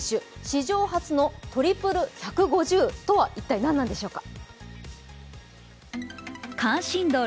史上初のトリプル１５０とは一体何なのでしょうか？